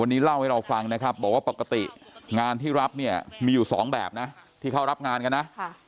วันนี้เล่าให้เราฟังนะครับบอกว่าปกติงานที่รับเนี่ยมีอยู่สองแบบนะที่เขารับงานกันนะ